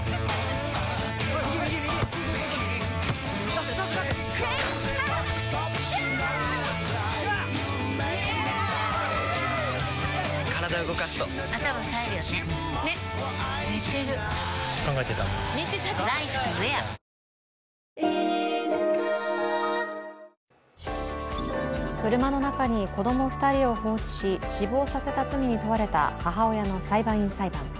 確定申告終わってもｆｒｅｅｅ車の中に子供２人を放置し死亡させた罪に問われた母親の裁判員裁判。